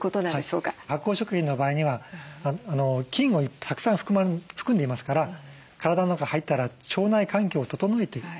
発酵食品の場合には菌をたくさん含んでいますから体の中入ったら腸内環境を整えてくれる。